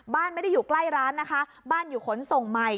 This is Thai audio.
บ้านไม่ได้อยู่ใกล้ร้านนะคะบ้านอยู่ขนส่งใหม่